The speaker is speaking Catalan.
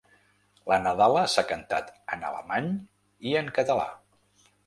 La nadala s’ha cantat en alemany i en català.